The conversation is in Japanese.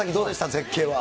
絶景は。